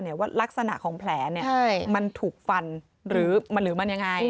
หรือว่าลักษณะของแผลเนี่ยมันถูกฟันหรือมันยังไง